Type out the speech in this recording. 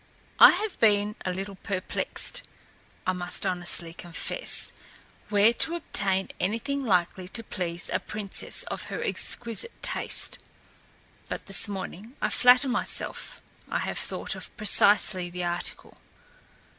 I have been a little perplexed, I must honestly confess, where to obtain anything likely to please a princess of her exquisite taste. But this morning, I flatter myself, I have thought of precisely the article."